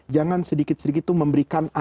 jangan sedikit sedikit itu memberikan